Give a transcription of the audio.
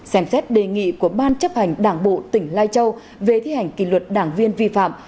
xem xét đề nghị của ban chấp hành đảng bộ tỉnh lai châu về thi hành kỷ luật đảng viên vi phạm